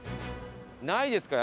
ないですか？